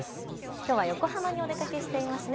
きょうは横浜にお出かけしていますね。